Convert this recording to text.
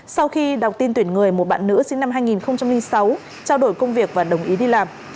sau khi đọc tin tuyển người một bạn nữ sinh năm hai nghìn sáu trao đổi công việc và đồng ý đi làm